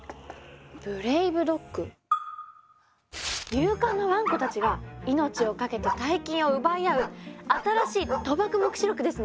勇敢なワンコたちが命をかけて大金を奪い合う新しい「賭博黙示録」ですね